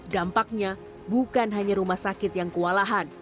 dampaknya bukan hanya rumah sakit yang kewalahan